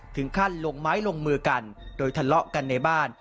ถึงขั้นลงไม้ลงมือกันโดยทะเลาะกันในบ้าน